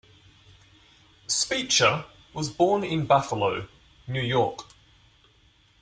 Speicher was born in Buffalo, New York.